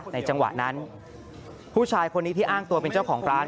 จังหวะนั้นผู้ชายคนนี้ที่อ้างตัวเป็นเจ้าของร้าน